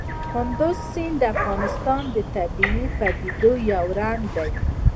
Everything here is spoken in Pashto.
کندز سیند د افغانستان د طبیعي پدیدو یو رنګ دی.